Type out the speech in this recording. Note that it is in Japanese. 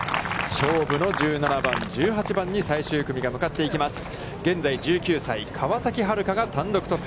勝負の１７番、１８番に最終組が向かっていきます。